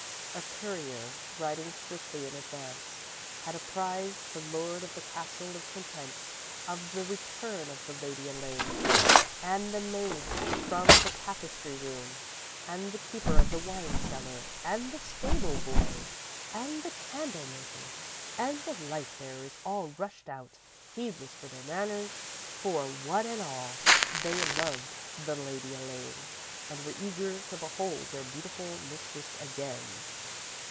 _ _A courier, riding swiftly in advance, had apprised the Lord of the Castle of Content of the return of the Lady Elaine, and the maids from the tapestry room, and the keeper of the wine cellar, and the stable boys, and the candle makers, and the light bearers all rushed out, heedless of their manners, for, one and all, they loved the Lady Elaine, and were eager to behold their beautiful mistress again.